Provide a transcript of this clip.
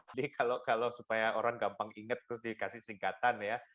jadi kalau supaya orang gampang inget terus dikasih singkatan ya